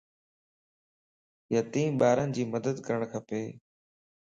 يتيم ٻارن جي مدد ڪرڻ کپ